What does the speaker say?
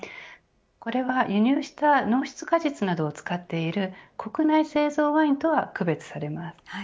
これは輸入した濃縮果実などを使っている国内製造ワインとは区別されます。